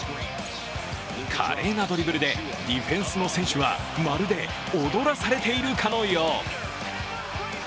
華麗なドリブルでディフェンスの選手はまるで踊らされているかのよう。